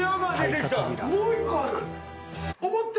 もう１個ある！